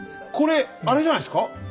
これあれじゃないですか？